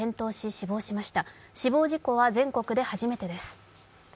死亡事故は全国で初めてです。